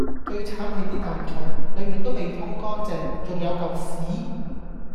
最慘係啲大腸，裡面都未通乾淨，重有嚿屎